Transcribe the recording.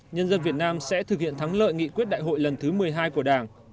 nhân dân việt nam sẽ thực hiện thắng lợi nghị quyết đại hội lần thứ một mươi hai của đảng